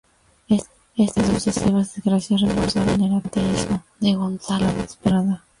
Estas sucesivas desgracias reforzaron el ateísmo de Gonzalez Prada.